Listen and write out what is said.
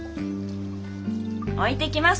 置いてきます